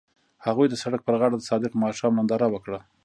هغوی د سړک پر غاړه د صادق ماښام ننداره وکړه.